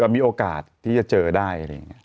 มีโอกาสที่จะเจอได้